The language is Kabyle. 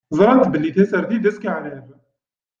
Ẓṛant belli tasertit d askeɛrer.